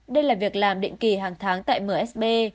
đây là việc làm định kỳ hàng tháng tại msb